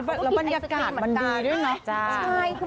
แล้วก็กินไอศครีมเหมือนกัน